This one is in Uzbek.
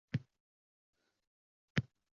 Uchinchisi, yaxshi ustozing boʻlishi.